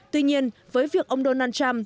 tuy nhiên với việc ông donald trump